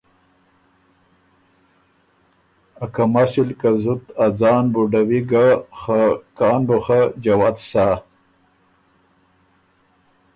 ا کم اصل که زُت ا ځان بُډه وی ګۀ خه کان بُو خه جوت بُو سۀ“